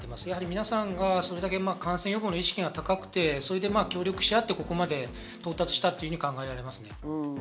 皆さんがそれだけ感染予防の意識が高くて協力しあってここまで到達したと考えられますね。